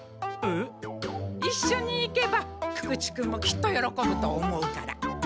いっしょに行けば久々知君もきっとよろこぶと思うから。